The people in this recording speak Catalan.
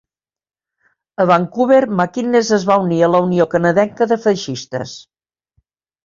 A Vancouver, MacInnes es va unir a la Unió Canadenca de Feixistes.